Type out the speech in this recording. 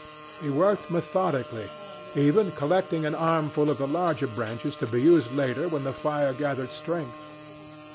He worked methodically, even collecting an armful of the larger branches to be used later when the fire gathered strength.